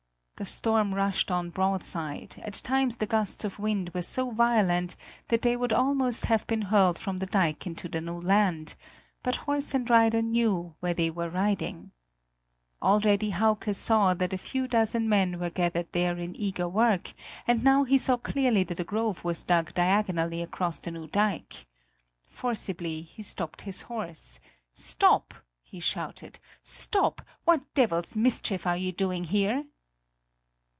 The storm rushed on broadside; at times the gusts of wind were so violent, that they would almost have been hurled from the dike into the new land but horse and rider knew where they were riding. Already Hauke saw that a few dozen men were gathered there in eager work, and now he saw clearly that a groove was dug diagonally across the new dike. Forcibly he stopped his horse: "Stop!" he shouted, "stop! What devil's mischief are you doing there?"